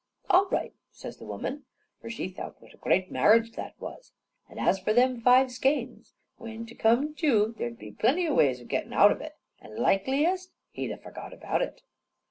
"All right," says the woman; for she thowt what a grand marriage that was. And as for them five skeins, when te come tew, there'd be plenty o' ways of gettin' out of it, and likeliest, he'd ha' forgot about it.